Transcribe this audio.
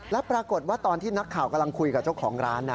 แล้วปรากฏว่าตอนที่นักข่าวกำลังคุยกับเจ้าของร้านนะ